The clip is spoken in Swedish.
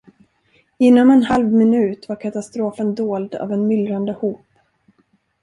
Inom en halv minut var katastrofen dold av en myllrande hop.